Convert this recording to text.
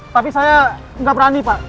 tapi saya nggak berani pak